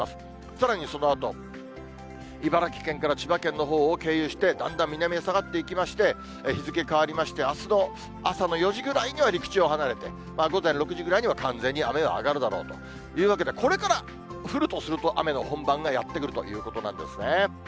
さらにそのあと、茨城県から千葉県のほうを経由して、だんだん南へ下がっていきまして、日付変わりまして、あすの朝の４時ぐらいには陸地を離れ、午前６時ぐらいには完全に雨は上がるだろうというわけで、これから降るとすると、雨の本番がやって来るということなんですね。